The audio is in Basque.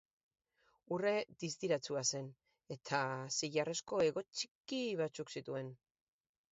Urre distiratsua zen, eta zilarrezko hego txiki batzuk zituen.